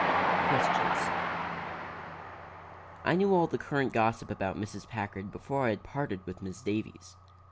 QUESTIONS I knew all the current gossip about Mrs. Packard before I had parted with Miss Davies.